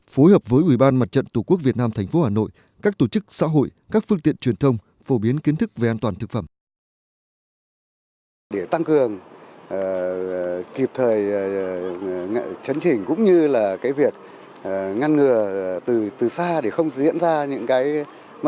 phối hợp với ủy ban mặt trận tổ quốc việt nam tp hà nội các tổ chức xã hội các phương tiện truyền thông phổ biến kiến thức về an toàn thực phẩm